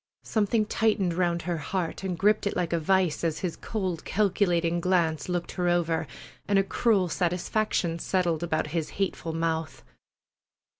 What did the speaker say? Something tightened round her heart and gripped it like a vise as his cold calculating glance looked her over, and a cruel satisfaction settled about his hateful mouth.